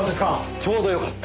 ちょうどよかった。